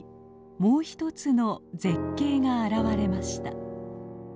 もう一つの絶景が現れました。